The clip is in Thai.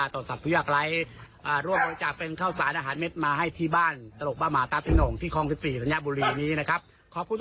ขอบคุณที่ร่วมทำบุญกันนะครับนะฮะขอบคุณครับผม